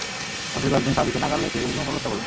অবশেষে কয়েকজন সাহাবীকে নাগালে পেয়ে নির্মমভাবে হত্যা করল।